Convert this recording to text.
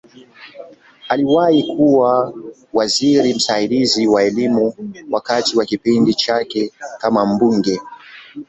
Aliwahi kuwa waziri msaidizi wa Elimu wakati wa kipindi chake kama mbunge.